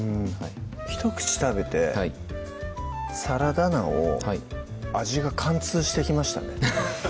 １口食べてサラダ菜を味が貫通してきましたね